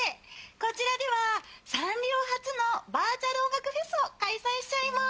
こちらでは、サンリオ初のバーチャル音楽フェスを開催しちゃいます！